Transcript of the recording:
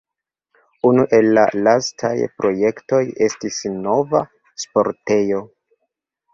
Unu el la lastaj projektoj estis nova sportejo.